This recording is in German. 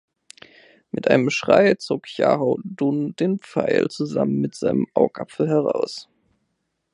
Mit einem Schrei zog Xiahou Dun den Pfeil zusammen mit seinem Augapfel heraus.